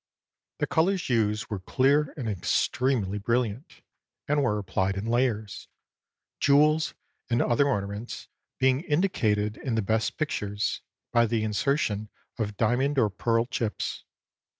The colors used were clear and extremely brilliant and were applied in layers, jewels and other ornaments being indicated in the best pic tures by the insertion of diamond or pearl chips.